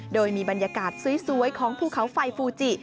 โดยมีบรรยากาศสวยของภูเขาไฟฟูจิ